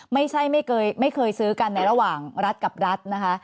ไม่เคยซื้อกันในระหว่างรัฐกับรัฐนะคะ